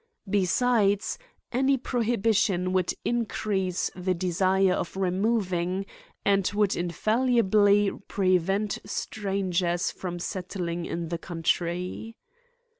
Besides, any prohibition would in crease the desire of removing, and would infallibly prevent strangers from settling in the country.